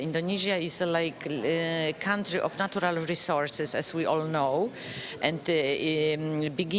indonesia seperti negara sumber daya alam seperti yang kita semua tahu